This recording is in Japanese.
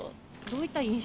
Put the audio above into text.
どういった印象？